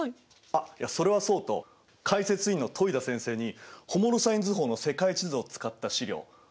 あっいやそれはそうと解説委員の戸井田先生にホモロサイン図法の世界地図を使った資料褒めていただきました！